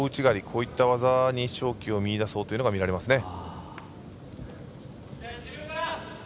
こういった技に勝機を見出そうというのが見られますね。